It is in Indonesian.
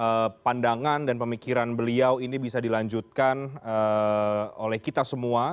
semoga pandangan dan pemikiran beliau ini bisa dilanjutkan oleh kita semua